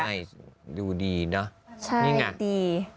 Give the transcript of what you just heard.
อะดูดีนะใช่นี่น่ะดี